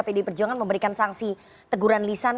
pd perjuangan memberikan sangsi teguran lisan